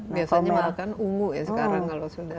biasanya makan ungu ya sekarang kalau sudah